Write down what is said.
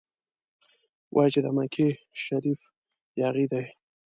وايي چې د مکې شریف یاغي دی.